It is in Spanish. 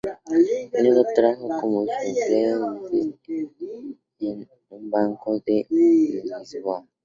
Luego trabajó como empleado en un banco de Lisboa.